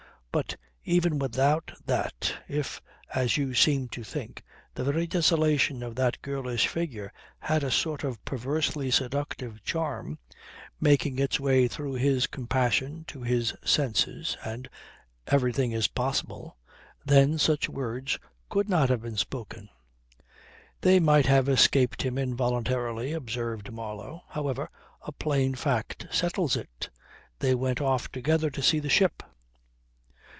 "But even without that if, as you seem to think, the very desolation of that girlish figure had a sort of perversely seductive charm, making its way through his compassion to his senses (and everything is possible) then such words could not have been spoken." "They might have escaped him involuntarily," observed Marlow. "However, a plain fact settles it. They went off together to see the ship."